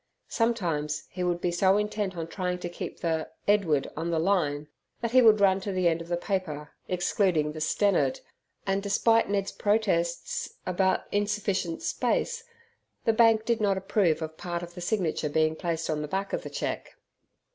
Sometimes he would be so intent on trying to keep the EDWARD on the line, that it would run to the end of the paper, excluding the STENNARD and, despite Ned's protests anent insufficient space, the bank did not approve of part of the signature being placed on the back of the cheque.